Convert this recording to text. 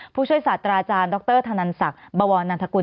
ผู้ช่วยศาตราอาจารย์ดรธนษักราชินาบะวอนมนันทกฤน